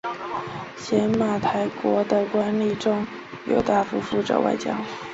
邪马台国的官吏中有大夫负责外交。